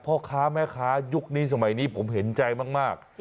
พ่อค้าแม่ค้ายุคนี้สมัยนี้ผมเห็นใจมาก